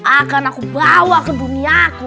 akan aku bawa ke duniaku